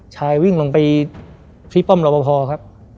ชายวิ่งลงไปที่ป้อมรอพอพอครับ